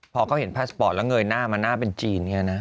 พอเขาเห็นพาสปอร์ตแล้วเงยหน้ามาหน้าเป็นจีน